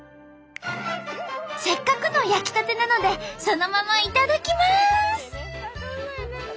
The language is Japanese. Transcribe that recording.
せっかくの焼きたてなのでそのまま頂きます！